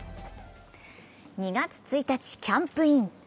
２月１日、キャンプイン。